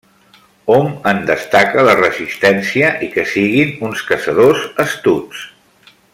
Hom en destaca la resistència i que siguin uns caçadors astuts.